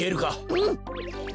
うん！